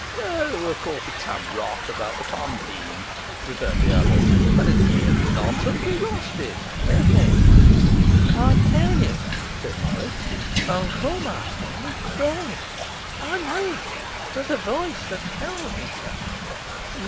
'O, of course it's some rot about the tontine,' returned the other. 'But it's the merest nonsense. We've lost it, and there's an end.' 'I tell you,' said Morris, 'Uncle Masterman is dead. I know it, there's a voice that tells me so.